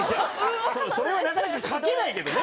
それはなかなか書けないけどね。